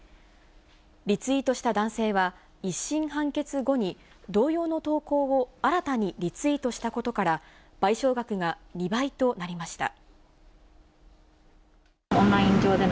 リツイートした男性は、１審判決後に、同様の投稿を新たにリツイートしたことから、賠償額が２倍となりました。